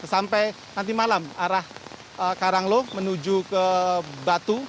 sampai nanti malam arah karanglo menuju ke batu